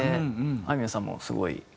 あいみょんさんもすごい。